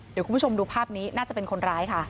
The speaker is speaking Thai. เดี๋ยวคุณผู้ชมดูภาพนี้น่าจะเป็นคนร้ายค่ะ